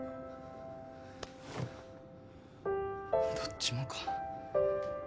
どっちもか。